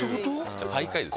じゃあ最下位ですよ。